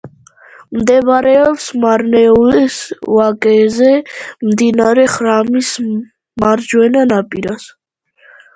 მდებარეობს მარნეულის ვაკეზე, მდინარე ხრამის მარჯვენა ნაპირას.